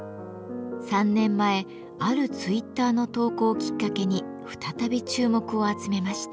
３年前あるツイッターの投稿をきっかけに再び注目を集めました。